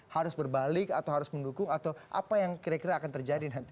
harus berbalik atau harus mendukung atau apa yang kira kira akan terjadi nanti